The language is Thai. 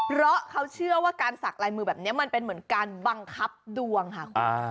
เพราะเขาเชื่อว่าการสักลายมือแบบนี้มันเป็นเหมือนการบังคับดวงค่ะคุณ